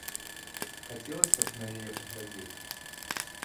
Хацелася б на яе паглядзець.